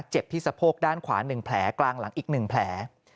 เจ็บที่สะโพกด้านขวา๑แผลกลางหลังอีก๑แผล